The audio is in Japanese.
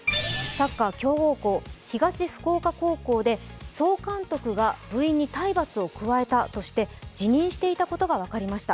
サッカー強豪校、東福岡高校で総監督が部員に体罰を加えたとして辞任していたことが分かりました。